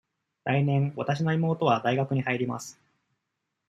来年、わたしの妹は大学に入ります。